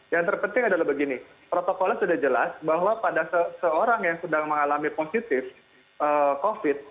yang terpenting adalah begini protokolnya sudah jelas bahwa pada seorang yang sedang mengalami positif covid